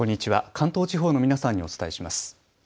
関東地方の皆さんにお伝えします。